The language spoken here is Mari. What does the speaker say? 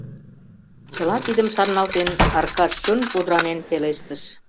Чыла тидым шарналтен, Аркаш чон пудранен пелештыш: